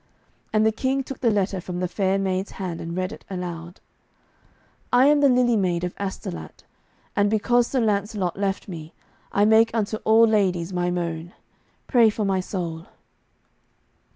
And the King took the letter from the fair maid's hand and read it aloud. 'I am the Lily Maid of Astolat, and because Sir Lancelot left me, I make unto all ladies my moan. Pray for my soul.'